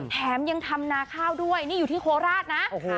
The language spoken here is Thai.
แถมยังทำนาข้าวด้วยนี่อยู่ที่โคราชนะ